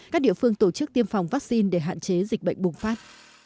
các địa phương tổ chức tiêm phòng vaccine để hạn chế dịch bệnh bùng phát